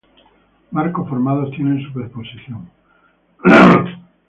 Marcos formados tienen superposición.